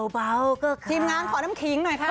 เบาก็คล้าทีมงานขอน้ำคิ้งหน่อยค่ะ